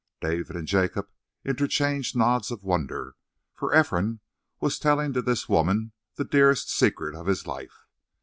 David and Jacob interchanged nods of wonder, for Ephraim was telling to this woman the dearest secret of his life.